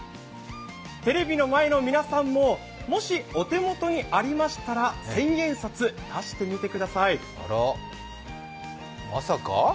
テレビの前の皆さんももしお手元にありましたら、千円札、出してみてください。